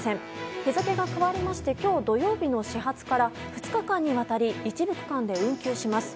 日付が変わりまして今日土曜日の始発から２日間にわたり一部区間で運休します。